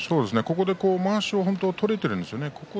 まわしは取れているんですよね